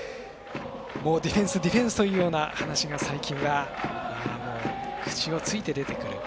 もうディフェンスディフェンスというような話が最近は口をついて出てくる。